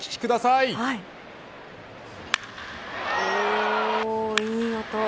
いい音。